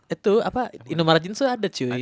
itu apa indomaret jeans tuh ada cuy